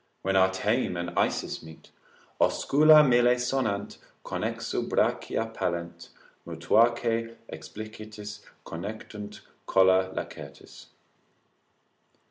When our Thame and Isis meet Oscula mille sonant, connexu brachia pallent, Mutuaque explicitis connectunt colla lacertis.